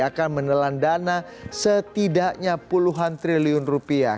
akan menelan dana setidaknya puluhan triliun rupiah